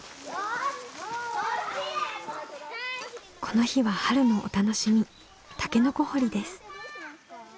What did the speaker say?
この日は春のお楽しみタケノコ掘りです。